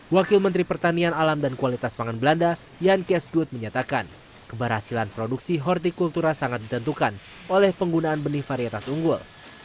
wakil menteri pertanian alam dan kualitas pangan belanda yankes dut menyatakan keberhasilan produksi hortikultura sangat ditentukan oleh penggunaan benih varietas unggul